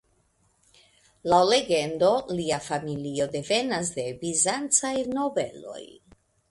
Laŭ legendo lia familio devenas de bizancaj nobeloj.